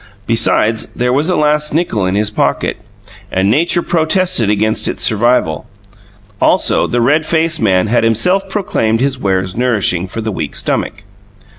Besides, there was a last nickel in his pocket; and nature protested against its survival. Also, the redfaced man had himself proclaimed his wares nourishing for the weak stummick.